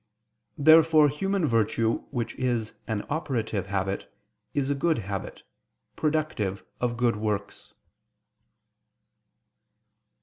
Therefore human virtue which is an operative habit, is a good habit, productive of good works.